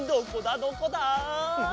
どこだ？